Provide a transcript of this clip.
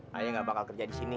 haye gak bakal kerja di sini